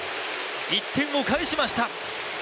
１点を返しました